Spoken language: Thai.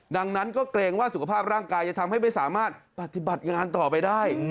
ดังนั้นก็เกรงว่าสุขภาพร่างกายจะทำให้ไม่สามารถปฏิบัติงานต่อไปได้